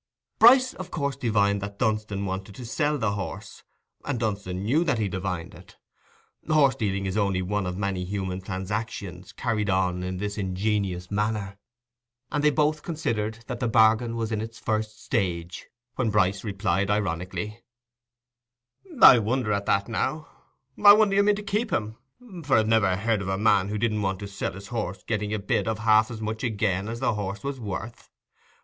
Bryce of course divined that Dunstan wanted to sell the horse, and Dunstan knew that he divined it (horse dealing is only one of many human transactions carried on in this ingenious manner); and they both considered that the bargain was in its first stage, when Bryce replied ironically— "I wonder at that now; I wonder you mean to keep him; for I never heard of a man who didn't want to sell his horse getting a bid of half as much again as the horse was worth.